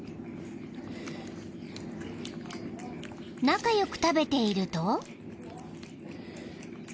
［仲良く食べていると］